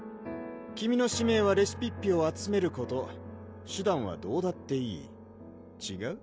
君の使命はレシピッピを集めること手段はどうだっていいちがう？